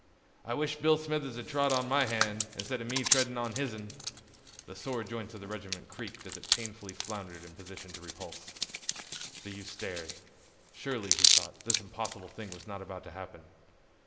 "I wish Bill Smithers had trod on my hand, insteader me treddin' on his'n." The sore joints of the regiment creaked as it painfully floundered into position to repulse. The youth stared. Surely, he thought, this impossible thing was not about to happen.